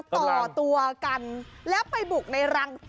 ต่อตัวกันแล้วไปบุกในรังต่อ